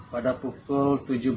pada pukul tujuh belas tiga puluh